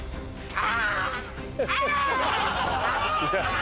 あ！